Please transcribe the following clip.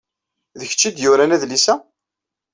D kečč ay d-yuran adlis-a?